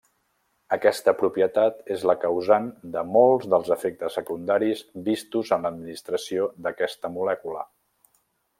Aquesta propietat és la causant de molts dels efectes secundaris vistos en l'administració d'aquesta molècula.